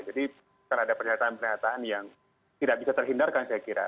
jadi karena ada pernyataan pernyataan yang tidak bisa terhindarkan saya kira